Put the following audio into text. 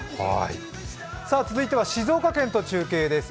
続いては静岡県と中継です。